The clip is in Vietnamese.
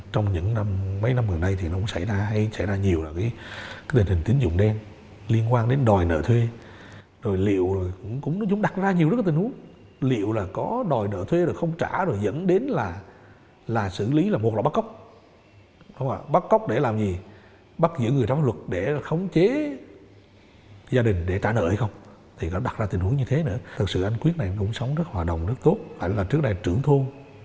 trong những năm mấy năm gần đây thì nó cũng xảy ra hay xảy ra nhiều là cái tình hình tín dụng đen liên quan đến đòi nợ thuê rồi liệu cũng đặt ra nhiều lúc tình huống liệu là có đòi nợ thuê rồi không trả rồi dẫn đến là là xử lý là một loại bắt cóc bắt cóc để làm gì bắt giữ người trong luật để khống chế gia đình để trả nợ không thì nó đặt ra tình huống như thế nữa thật sự anh quyết này cũng sống rất hòa đồng rất tốt phải là trước đây trưởng thôn